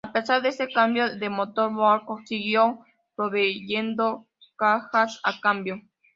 A pesar de este cambio de motor, Borgward siguió proveyendo cajas de cambio.